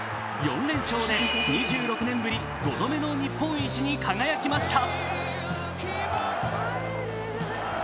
４連勝で２６年ぶり５度目の日本一に輝きました。